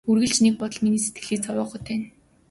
Үргэлж нэг бодол миний сэтгэлийг зовоогоод байна.